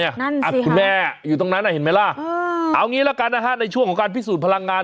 นั่นสิฮะอัพพุทธแม่อยู่ตรงนั้นเห็นไหมล่ะเอางี้ล่ะกันในช่วงของการพิสูจน์พลังงาน